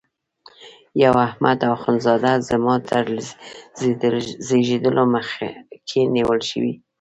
یو احمد اخوند زاده زما تر زیږېدلو مخکي نیول شوی.